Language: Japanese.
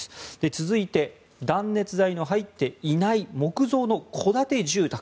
続いて、断熱材の入っていない木造の戸建て住宅。